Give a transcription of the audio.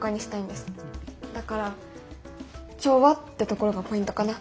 だから「調和」ってところがポイントかな。